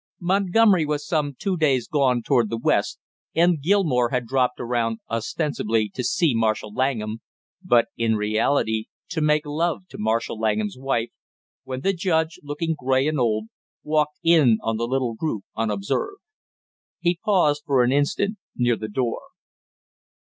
Montgomery was some two days gone toward the West and Gilmore had dropped around ostensibly to see Marshall Langham, but in reality to make love to Marshall Langham's wife, when the judge, looking gray and old, walked in on the little group unobserved. He paused for an instant near the door.